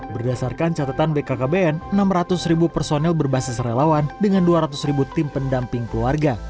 berdasarkan catatan bkkbn enam ratus ribu personel berbasis relawan dengan dua ratus ribu tim pendamping keluarga